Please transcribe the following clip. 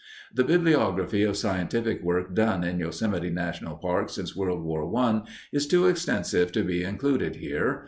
The bibliography of scientific work done in Yosemite National Park since World War I is too extensive to be included here.